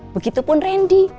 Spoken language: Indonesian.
begitu pun randy